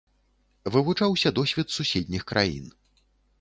Вывучаўся досвед суседніх краін.